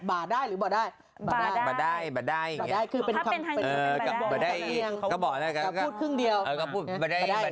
บ่าไดหรือบ่าไดบ่าไดบ่าไดอย่างเนี่ยกราะเป็นความเออ